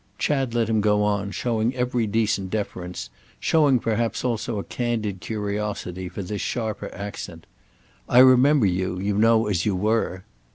Chad let him go on, showing every decent deference, showing perhaps also a candid curiosity for this sharper accent. "I remember you, you know, as you were."